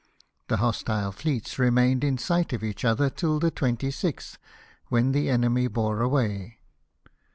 The hostile fleets remained in sight of each other till the 26th, when the enemy bore away.